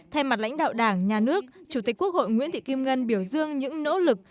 thay mặt lãnh đạo đảng nhà nước chủ tịch quốc hội nguyễn thị kim ngân biểu dương những nỗ lực